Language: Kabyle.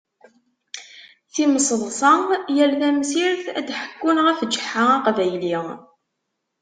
Timseḍṣa, yal tamsirt ad d-ḥekkun ɣef Ǧeḥḥa aqbayli.